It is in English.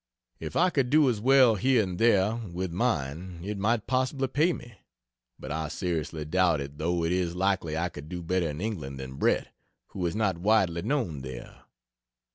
If I could do as well, here, and there, with mine, it might possibly pay me, but I seriously doubt it though it is likely I could do better in England than Bret, who is not widely known there.